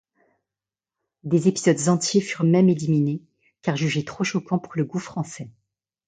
Des épisodes entiers furent même éliminés, car jugés trop choquants pour le goût français.